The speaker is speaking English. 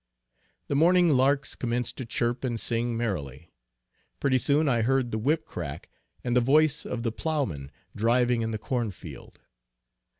The morning larks commenced to chirp and sing merrily pretty soon I heard the whip crack, and the voice of the ploughman driving in the corn field.